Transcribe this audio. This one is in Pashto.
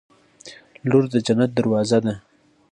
• لور د جنت دروازه ده.